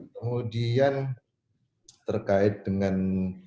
kemudian terkait dengan